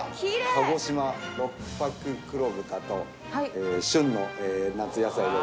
鹿児島六白黒豚と旬の夏野菜でございます。